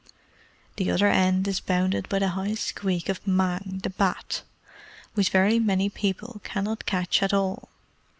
[The other end is bounded by the high squeak of Mang, the Bat, which very many people cannot catch at all.